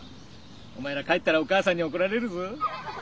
お前ら帰ったらお母さんにおこられるぞ。